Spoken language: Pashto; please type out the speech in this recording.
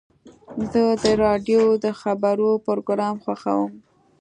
زه د راډیو د خبرو پروګرام خوښوم.